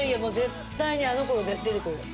絶対にあの子が出てくる。